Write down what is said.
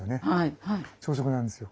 朝食なんですよ。